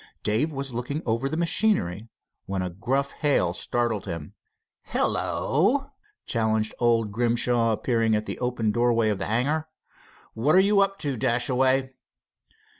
Dave was looking over the machinery, when a gruff hail startled him. "Hello!" challenged old Grimshaw, appearing at the open doorway of the hangar. "What you up to, Dashaway?"